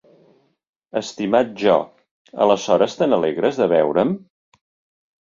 Estimat Jo, aleshores te n'alegres de veure'm?